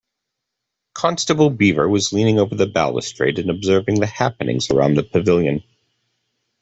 Constable Beaver was leaning over the balustrade and observing the happenings around the pavilion.